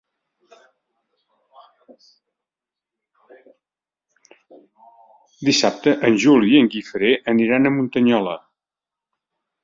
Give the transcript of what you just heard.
Dissabte en Juli i en Guifré aniran a Muntanyola.